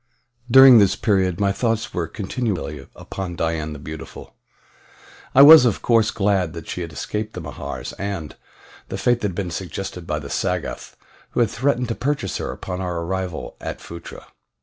During this period my thoughts were continually upon Dian the Beautiful. I was, of course, glad that she had escaped the Mahars, and the fate that had been suggested by the Sagoth who had threatened to purchase her upon our arrival at Phutra.